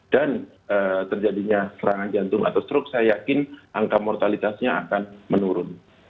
dan terjadinya serangan jantung atau strok saya yakin angka mortalitasnya akan menurun